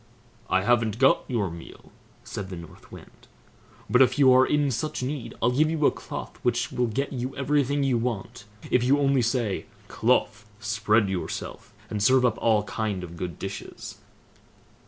"I haven't got your meal", said the North Wind; "but if you are in such need, I'll give you a cloth which will get you everything you want, if you only say, "Cloth, spread yourself, and serve up all kind of good dishes!"